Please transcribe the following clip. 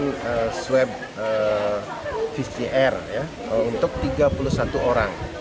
dan swab pcr untuk tiga puluh satu orang